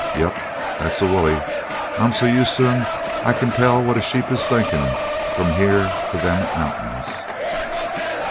"Yep that's a woolie. I'm so used to 'em I kin tell what a sheep is thinkin' from here to them mountains."